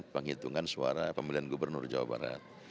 penghitungan suara pemilihan gubernur jawa barat